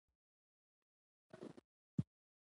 مازديګری او تنهائي ده، راته ياديږي هغه تير خوشحال وختونه